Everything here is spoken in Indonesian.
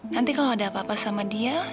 nanti kalau ada apa apa sama dia